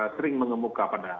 sering mengemuka pada